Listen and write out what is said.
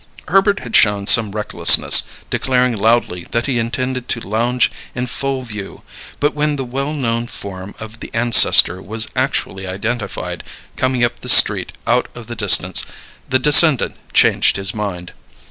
Herbert had shown some recklessness, declaring loudly that he intended to lounge in full view; but when the well known form of the ancestor was actually identified, coming up the street out of the distance, the descendant changed his mind.